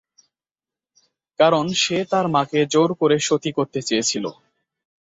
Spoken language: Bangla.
কারণ সে তার মাকে জোর করে 'সতী' করতে চেয়েছিল।